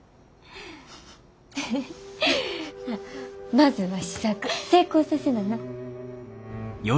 まずは試作成功させなな。